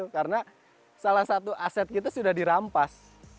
karena salah satu aset kita sudah dirampas